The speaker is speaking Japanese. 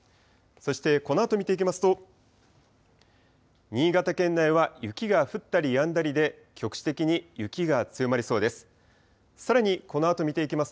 そして、このあと見ていきますと、新潟県内は雪が降ったりやんだりで、局地的に雪が強まりそうです。